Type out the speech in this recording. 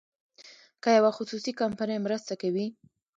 که یوه خصوصي کمپنۍ مرسته کوي.